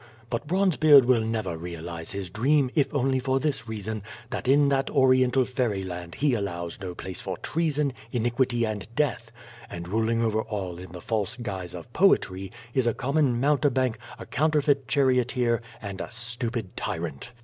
But Bronzebeard will ncvji realize his dream, if only for this reason, that in that Oriental fairyland he allows no place for treason, iniquity, and death, and ruling over all in the false guise of poetry, is a common mountebank, a counterfeit charioteer, and a stupid tyrant.